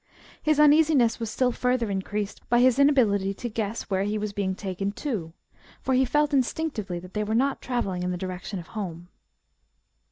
His uneasiness was still further increased by his inability to guess where he was being taken to for he felt instinctively that they were not travelling in the direction of home.